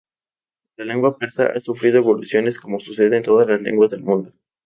La lengua persa ha sufrido evoluciones como sucede en todas las lenguas del mundo.